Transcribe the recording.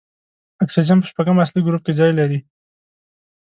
اکسیجن په شپږم اصلي ګروپ کې ځای لري.